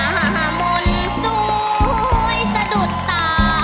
หน้ามนสวยสะดุดตา